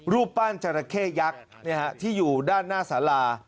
รูปปั้นจราเข้ยักษ์ที่อยู่ด้านหน้าสารา